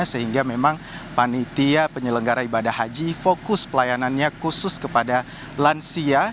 sehingga memang panitia penyelenggara ibadah haji fokus pelayanannya khusus kepada lansia